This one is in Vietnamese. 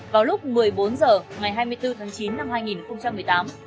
vào lúc một mươi bốn h ngày hai mươi bốn tháng chín năm hai nghìn một mươi tám